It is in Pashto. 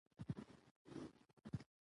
مېوې د افغانستان د طبیعت د ښکلا برخه ده.